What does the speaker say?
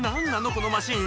このマシン